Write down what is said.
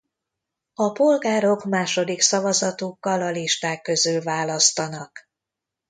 A polgárok második szavazatukkal a listák közül választanak.